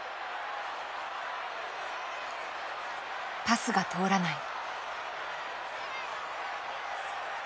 パスが通らない。